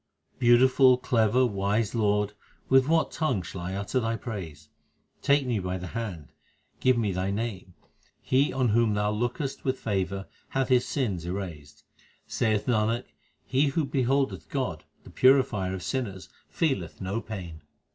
Beautiful, clever, wise Lord, with what tongue shall I utter Thy praise ? Take me by the hand, give me Thy name : he on whom Thou lookest with favour hath his sins erased. Saith Nanak, he who beholdeth God the Purifier of sinners feeleth no pain.